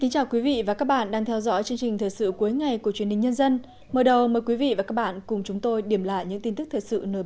hãy đăng ký kênh để ủng hộ kênh của chúng mình nhé